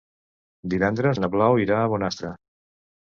Divendres na Blau irà a Bonastre.